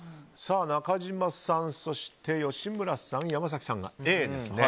中島さん、そして吉村さん山崎さんがＡですね。